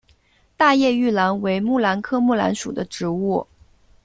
大叶玉兰为木兰科木兰属的植物。